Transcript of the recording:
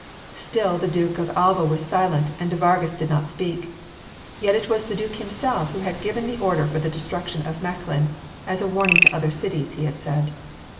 Still the Duke of Alva was silent and de Vargas did not speak. Yet it was the Duke himself who had given the order for the destruction of Mechlin: "as a warning to other cities," he had said.